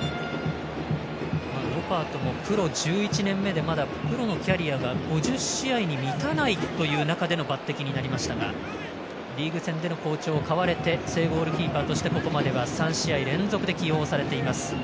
ノパートもプロ１１年目でまだプロのキャリアが５０試合に満たないという中での抜てきになりましたがリーグ戦での好調を買われて正ゴールキーパーとしてここまでは３試合連続で起用されています。